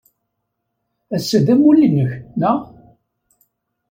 Ass-a d amulli-nnek, naɣ?